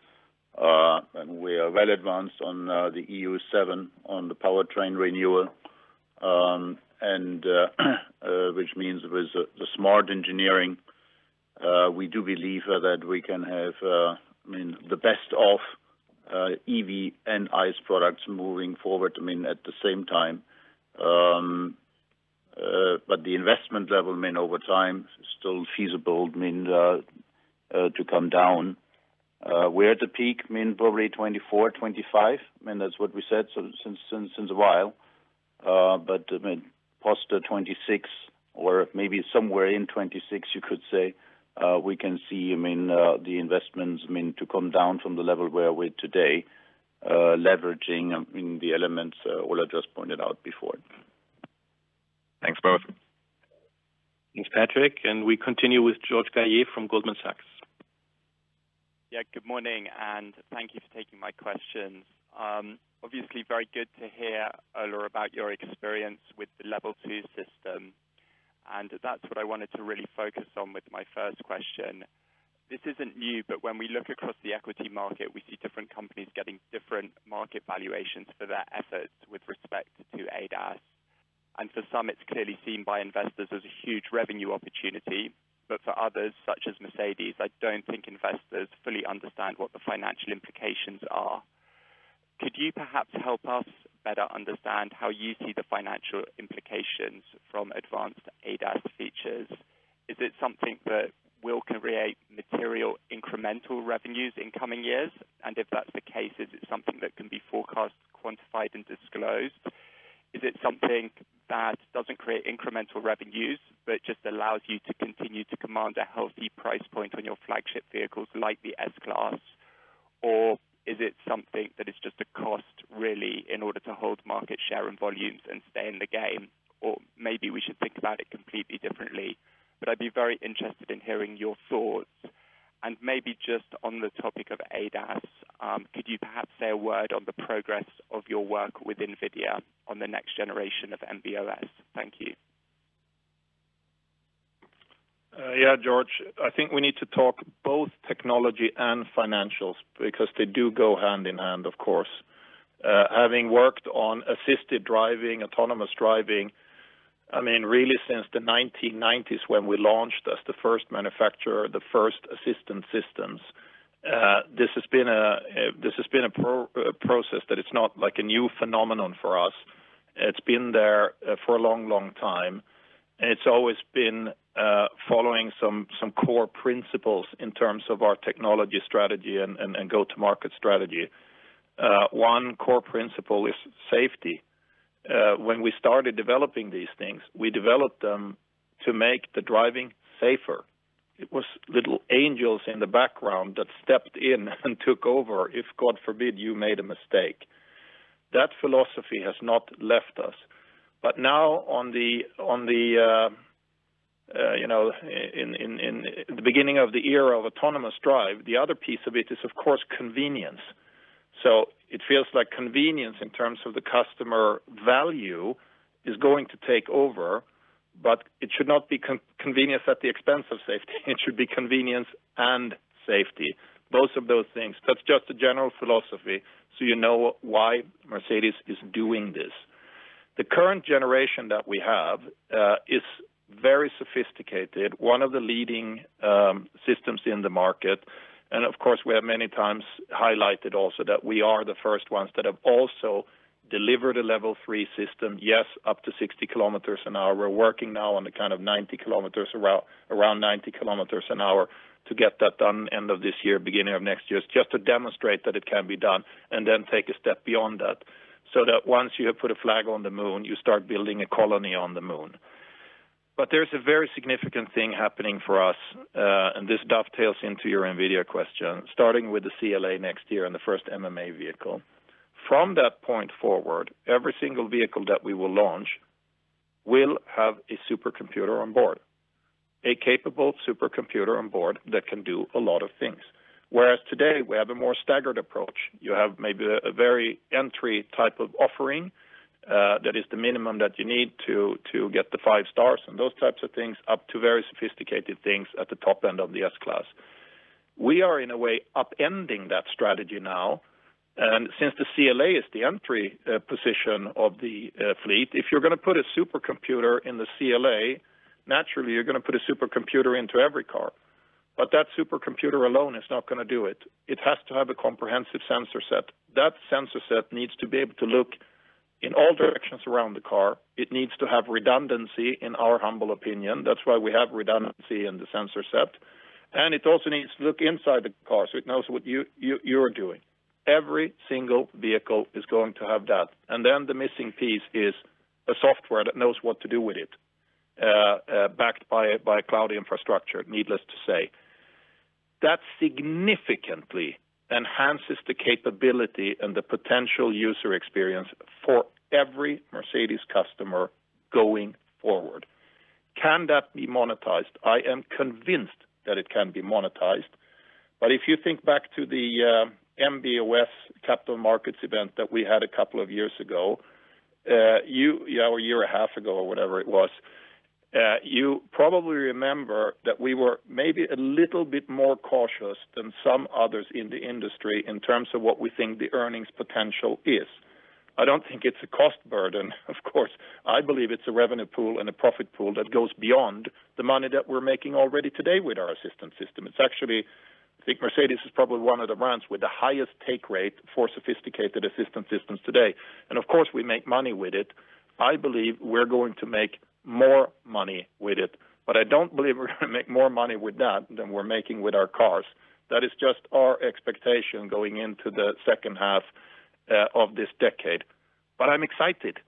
and we are well advanced on the EU7, on the powertrain renewal, and which means with the smart engineering, we do believe that we can have, I mean, the best of EV and ICE products moving forward, I mean, at the same time. But the investment level, I mean, over time, still feasible, I mean, to come down. We're at the peak, I mean, probably 2024, 2025, and that's what we said since a while. But, I mean, post the 2026 or maybe somewhere in 2026, you could say, we can see, I mean, the investments, I mean, to come down from the level where we're today, leveraging the elements Ola just pointed out before. Thanks, both. Thanks, Patrick. We continue with George Galliers from Goldman Sachs. Yeah, good morning, and thank you for taking my questions. Obviously, very good to hear, Ola, about your experience with the Level 2 system, and that's what I wanted to really focus on with my first question. This isn't new, but when we look across the equity market, we see different companies getting different market valuations for their efforts with respect to ADAS. And for some, it's clearly seen by investors as a huge revenue opportunity, but for others, such as Mercedes, I don't think investors fully understand what the financial implications are. Could you perhaps help us better understand how you see the financial implications from advanced ADAS features? Is it something that will create material incremental revenues in coming years? And if that's the case, is it something that can be forecast, quantified, and disclosed? Is it something that doesn't create incremental revenues, but just allows you to continue to command a healthy price point on your flagship vehicles, like the S-Class? Or is it something that is just a cost, really, in order to hold market share and volumes and stay in the game? Or maybe we should think about it completely differently. But I'd be very interested in hearing your thoughts. And maybe just on the topic of ADAS, could you perhaps say a word on the progress of your work with NVIDIA on the next generation of MB.OS? Thank you. Yeah, George, I think we need to talk both technology and financials, because they do go hand in hand, of course. Having worked on assisted driving, autonomous driving, I mean, really, since the 1990s, when we launched as the first manufacturer, the first assistance systems, this has been a process that it's not like a new phenomenon for us. It's been there for a long, long time, and it's always been following some core principles in terms of our technology strategy and go-to-market strategy. One core principle is safety. When we started developing these things, we developed them to make the driving safer. It was little angels in the background that stepped in and took over, if God forbid, you made a mistake. That philosophy has not left us. But now, you know, in the beginning of the era of autonomous drive, the other piece of it is, of course, convenience. So it feels like convenience in terms of the customer value, is going to take over. But it should not be convenience at the expense of safety, it should be convenience and safety, both of those things. That's just a general philosophy, so you know why Mercedes is doing this. The current generation that we have, is very sophisticated, one of the leading systems in the market, and of course, we have many times highlighted also that we are the first ones that have also delivered a Level 3 system. Yes, up to 60 km an hour. We're working now on around 90 kilometers an hour to get that done end of this year, beginning of next year, just to demonstrate that it can be done, and then take a step beyond that, so that once you have put a flag on the moon, you start building a colony on the moon. But there's a very significant thing happening for us, and this dovetails into your NVIDIA question, starting with the CLA next year, and the first MMA vehicle. From that point forward, every single vehicle that we will launch will have a supercomputer on board, a capable supercomputer on board that can do a lot of things. Whereas today, we have a more staggered approach. You have maybe a very entry type of offering, that is the minimum that you need to get the five stars, and those types of things, up to very sophisticated things at the Top-end of the S-Class. We are, in a way, upending that strategy now, and since the CLA is the entry position of the fleet, if you're gonna put a supercomputer in the CLA, naturally, you're gonna put a supercomputer into every car, but that supercomputer alone is not gonna do it. It has to have a comprehensive sensor set. That sensor set needs to be able to look in all directions around the car. It needs to have redundancy, in our humble opinion, that's why we have redundancy in the sensor set, and it also needs to look inside the car, so it knows what you're doing. Every single vehicle is going to have that, and then the missing piece is a software that knows what to do with it, backed by cloud infrastructure, needless to say. That significantly enhances the capability and the potential user experience for every Mercedes customer going forward. Can that be monetized? I am convinced that it can be monetized, but if you think back to the MB.OS capital markets event that we had a couple of years ago, or a year and a half ago, or whatever it was, you probably remember that we were maybe a little bit more cautious than some others in the industry, in terms of what we think the earnings potential is. I don't think it's a cost burden, of course, I believe it's a revenue pool and a profit pool that goes beyond the money that we're making already today with our assistance system system. It's actually, I think Mercedes is probably one of the brands with the highest take rate for sophisticated assistance system today, and of course, we make money with it. I believe we're going to make more money with it, but I don't believe we're gonna make more money with that than we're making with our cars. That is just our expectation going into the second half of this decade. But I'm excited.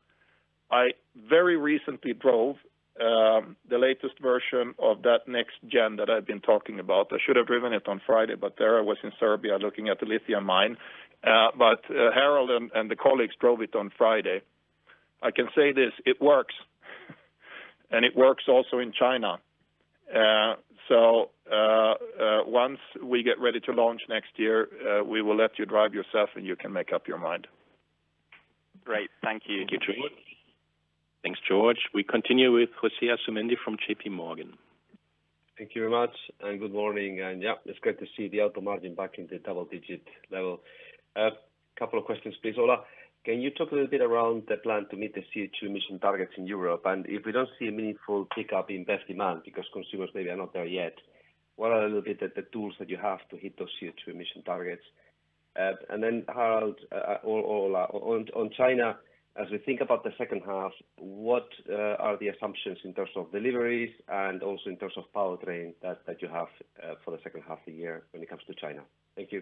I very recently drove the latest version of that next gen that I've been talking about. I should have driven it on Friday, but there I was in Serbia, looking at the lithium mine. But, Harald and the colleagues drove it on Friday. I can say this, it works, and it works also in China. So, once we get ready to launch next year, we will let you drive yourself, and you can make up your mind. Great. Thank you. Thank you, George. Thanks, George. We continue with José Asumendi from JPMorgan. Thank you very much, and good morning, and, yeah, it's great to see the auto margin back in the double digit level. Couple of questions, please. Ola, can you talk a little bit around the plan to meet the CO2 emission targets in Europe? And if we don't see a meaningful pickup in BEV demand, because consumers maybe are not there yet, what are a little bit the tools that you have to hit those CO2 emission targets? And then, Harald, or Ola, on China, as we think about the second half, what are the assumptions in terms of deliveries and also in terms of powertrain that you have for the second half of the year when it comes to China? Thank you.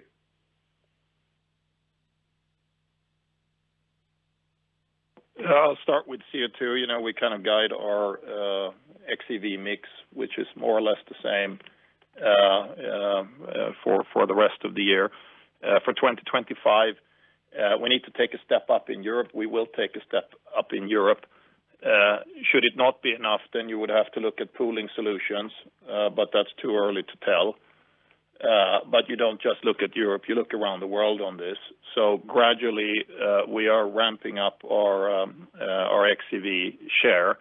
I'll start with CO2. You know, we kind of guide our xEV mix, which is more or less the same for the rest of the year. For 2025, we need to take a step up in Europe, we will take a step up in Europe. Should it not be enough, then you would have to look at pooling solutions, but that's too early to tell. But you don't just look at Europe, you look around the world on this. So gradually, we are ramping up our xEV share.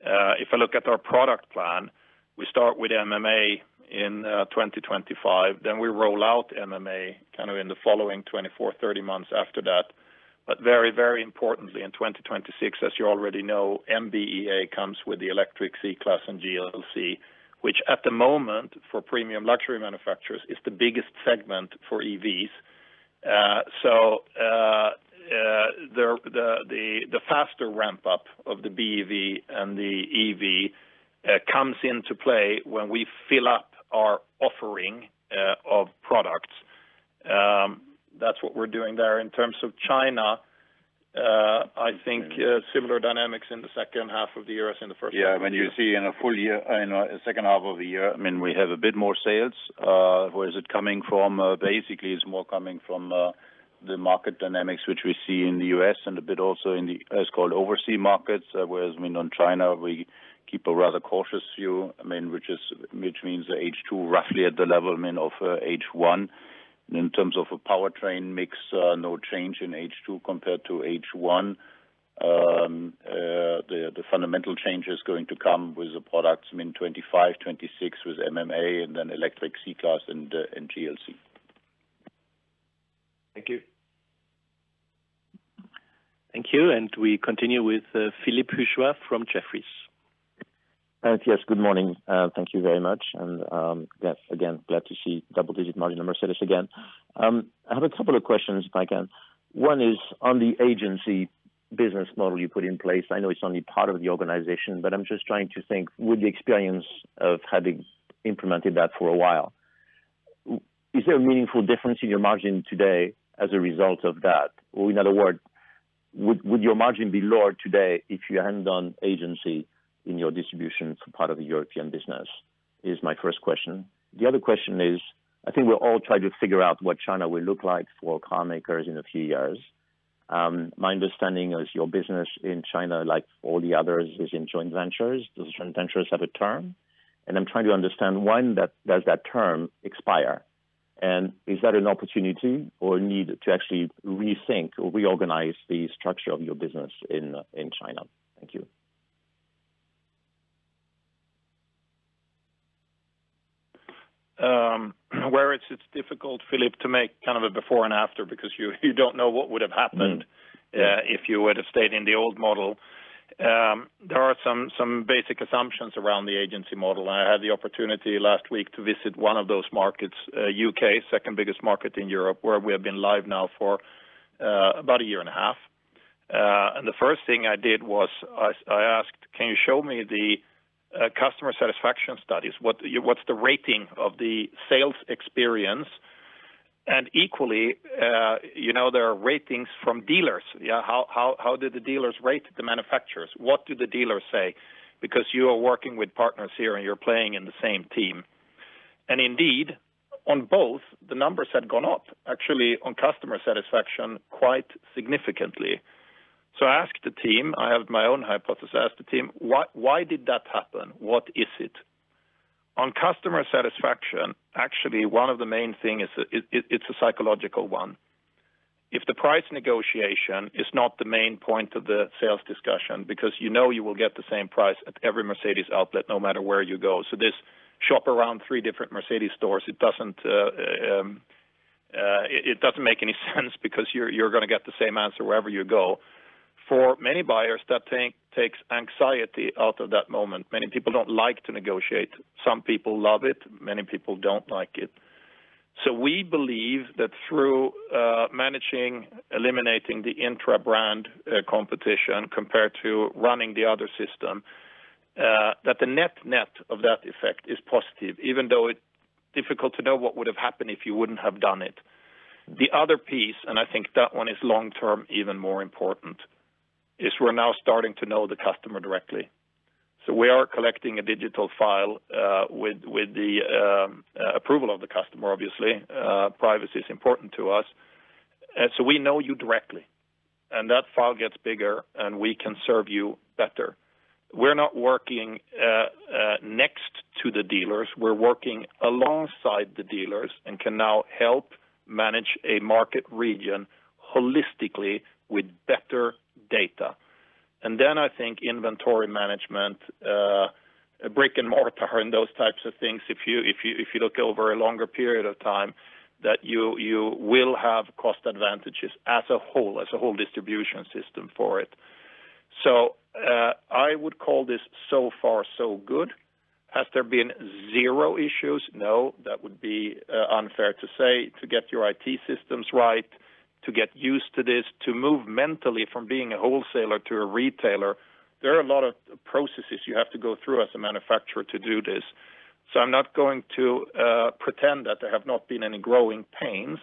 If I look at our product plan, we start with MMA in 2025, then we roll out MMA kind of in the following 24-30 months after that. But very, very importantly, in 2026, as you already know, MB.EA comes with the electric C-Class and GLC, which at the moment, for premium luxury manufacturers, is the biggest segment for EVs. So, the faster ramp-up of the BEV and the EV comes into play when we fill up our offering of products. That's what we're doing there. In terms of China, I think similar dynamics in the second half of the year as in the first half of the year. Yeah, when you see in a full year, in a second half of the year, I mean, we have a bit more sales. Where is it coming from? Basically, it's more coming from the market dynamics, which we see in the U.S. and a bit also in the so-called overseas markets, whereas, I mean, on China, we keep a rather cautious view, I mean, which means the H2 roughly at the level, I mean, of H1. In terms of a powertrain mix, no change in H2 compared to H1. The fundamental change is going to come with the products in 2025, 2026, with MMA and then electric C-Class and GLC. Thank you. Thank you, and we continue with Philippe Houchois from Jefferies. Yes, good morning, thank you very much. Yes, again, glad to see double-digit margin in Mercedes again. I have a couple of questions, if I can. One is on the agency business model you put in place. I know it's only part of the organization, but I'm just trying to think, with the experience of having implemented that for a while, is there a meaningful difference in your margin today as a result of that? Or in other words, would your margin be lower today if you hadn't done agency in your distribution for part of the European business? Is my first question. The other question is, I think we're all trying to figure out what China will look like for carmakers in a few years. My understanding is your business in China, like all the others, is in joint ventures. Does joint ventures have a term? And I'm trying to understand, one, that, does that term expire? And is that an opportunity or a need to actually rethink or reorganize the structure of your business in, in China? Thank you. Where it's difficult, Philippe, to make kind of a before and after, because you don't know what would have happened- Mm. If you would have stayed in the old model. There are some basic assumptions around the Agency Model. I had the opportunity last week to visit one of those markets, U.K., second biggest market in Europe, where we have been live now for about a year and a half. And the first thing I did was I asked: "Can you show me the customer satisfaction studies? What's the rating of the sales experience?" And equally, you know, there are ratings from dealers. Yeah, how did the dealers rate the manufacturers? What do the dealers say? Because you are working with partners here, and you're playing in the same team. And indeed, on both, the numbers had gone up, actually, on customer satisfaction, quite significantly. So I asked the team, I have my own hypothesis. I asked the team: "Why, why did that happen? What is it?" On customer satisfaction, actually, one of the main thing is, it's a psychological one. If the price negotiation is not the main point of the sales discussion, because you know you will get the same price at every Mercedes outlet no matter where you go. So this shop around three different Mercedes stores, it doesn't make any sense because you're gonna get the same answer wherever you go. For many buyers, that tank takes anxiety out of that moment. Many people don't like to negotiate. Some people love it, many people don't like it. So we believe that through managing, eliminating the intra-brand competition, compared to running the other system, that the net-net of that effect is positive, even though it's difficult to know what would have happened if you wouldn't have done it. The other piece, and I think that one is long-term, even more important, is we're now starting to know the customer directly. So we are collecting a digital file with the approval of the customer, obviously. Privacy is important to us. So we know you directly, and that file gets bigger, and we can serve you better. We're not working next to the dealers. We're working alongside the dealers and can now help manage a market region holistically with better data. Then, I think inventory management, brick-and-mortar and those types of things, if you look over a longer period of time, that you will have cost advantages as a whole, as a whole distribution system for it. So, I would call this so far so good. Has there been zero issues? No, that would be unfair to say. To get your IT systems right, to get used to this, to move mentally from being a wholesaler to a retailer, there are a lot of processes you have to go through as a manufacturer to do this. So I'm not going to pretend that there have not been any growing pains,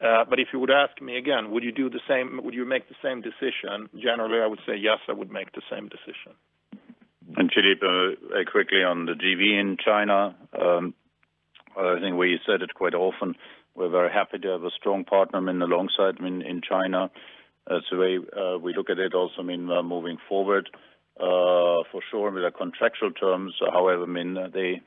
but if you would ask me again, "Would you do the same, would you make the same decision?" Generally, I would say yes, I would make the same decision. And Philippe, quickly on the JV in China, I think we said it quite often, we're very happy to have a strong partner in alongside in, in China. That's the way, we look at it also, I mean, moving forward. For sure, there are contractual terms, however, I mean,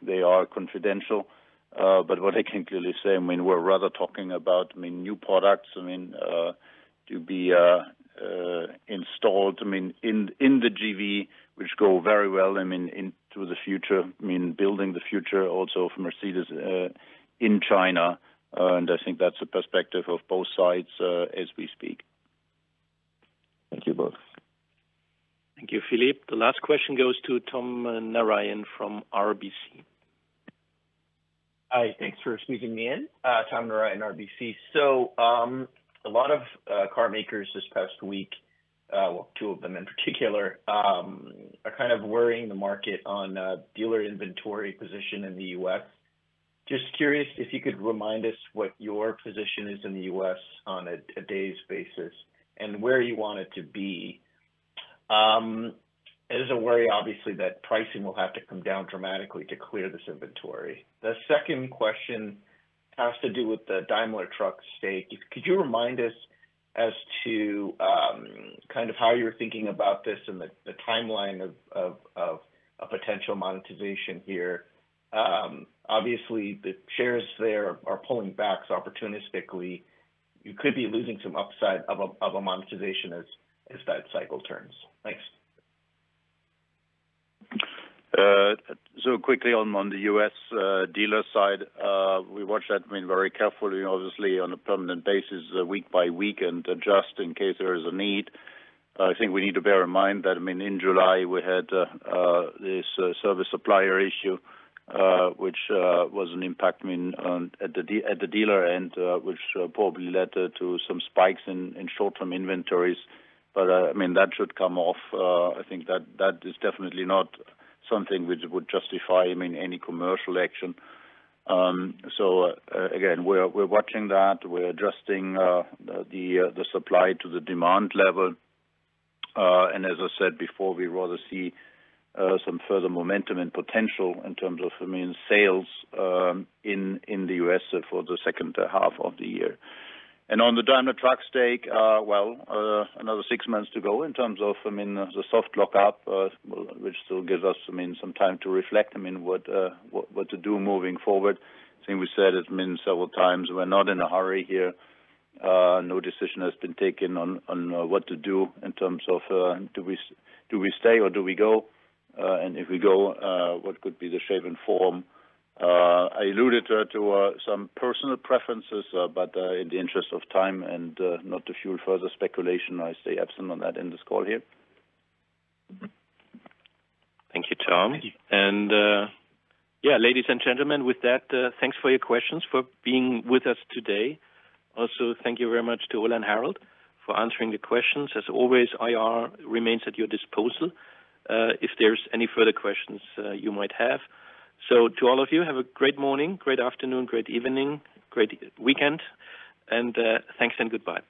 they are confidential. But what I can clearly say, I mean, we're rather talking about, I mean, new products, I mean, to be installed, I mean, in, in the JV, which go very well, I mean, into the future, I mean, building the future also for Mercedes, in China. And I think that's a perspective of both sides, as we speak. Thank you both. Thank you, Philippe. The last question goes to Tom Narayan from RBC. Hi, thanks for squeezing me in. Tom Narayan, RBC. So, a lot of carmakers this past week, two of them in particular, are kind of worrying the market on dealer inventory position in the U.S. Just curious if you could remind us what your position is in the U.S. on a day's basis and where you want it to be. There's a worry, obviously, that pricing will have to come down dramatically to clear this inventory. The second question has to do with the Daimler Truck stake. Could you remind us as to kind of how you're thinking about this and the timeline of a potential monetization here. Obviously, the shares there are pulling back opportunistically. You could be losing some upside of a monetization as that cycle turns. Thanks. So quickly on the US dealer side, we watch that, I mean, very carefully, obviously, on a permanent basis, week by week, and adjust in case there is a need. I think we need to bear in mind that, I mean, in July, we had this service supplier issue, which was an impact, I mean, on at the dealer end, which probably led to some spikes in short-term inventories. But, I mean, that should come off. I think that is definitely not something which would justify, I mean, any commercial action. So again, we're watching that. We're adjusting the supply to the demand level. As I said before, we rather see some further momentum and potential in terms of, I mean, sales in the U.S. for the second half of the year. And on the Daimler Truck stake, well, another six months to go in terms of, I mean, the soft lockup, which still gives us, I mean, some time to reflect, I mean, what to do moving forward. I think we said it, I mean, several times, we're not in a hurry here. No decision has been taken on what to do in terms of, do we stay or do we go? And if we go, what could be the shape and form? I alluded to some personal preferences, but in the interest of time and not to fuel further speculation, I stay absent on that in this call here. Thank you, Tom. And, yeah, ladies and gentlemen, with that, thanks for your questions, for being with us today. Also, thank you very much to Ola and Harald for answering the questions. As always, IR remains at your disposal, if there's any further questions, you might have. So to all of you, have a great morning, great afternoon, great evening, great weekend, and, thanks and goodbye.